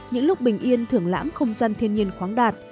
những lúc bình yên thưởng lãm không gian thiên nhiên khoáng đạt